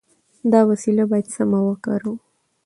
دا وسیله باید سمه وکاروو.